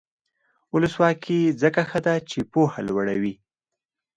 ولسواکي ځکه ښه ده چې پوهه لوړوي.